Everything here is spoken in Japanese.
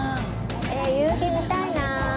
えっ夕日見たいなあ。